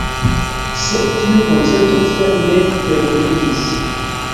Sed tiu koncepto tiam ne plenumiĝis.